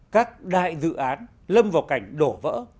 các đại dự án lâm vào cảnh đổ vỡ